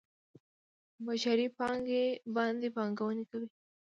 بشري پانګې باندې پانګونه کوي.